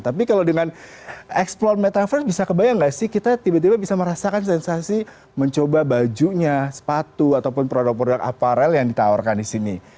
tapi kalau dengan eksplor metaverse bisa kebayang gak sih kita tiba tiba bisa merasakan sensasi mencoba bajunya sepatu ataupun produk produk aparel yang ditawarkan di sini